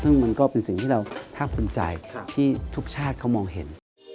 ซึ่งมันก็เป็นสิ่งที่เราภาคภูมิใจที่ทุกชาติเขามองเห็น